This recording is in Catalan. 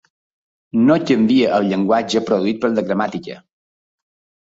No canvia el llenguatge produït per la gramàtica.